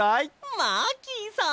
マーキーさん！